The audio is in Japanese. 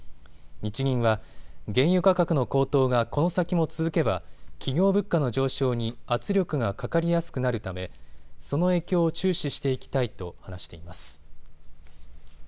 日銀は、原油価格の高騰がこの先も続けば企業物価の上昇に圧力がかかりやすくなるためその影響を注視していきたいと話しています。